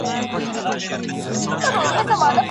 که ډاکټر ونه غواړي، اوږده پاڼه به ړنګه نه کړي.